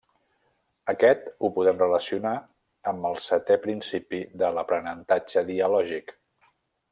Aquest ho podem relacionar amb el setè principi de l'Aprenentatge Dialògic.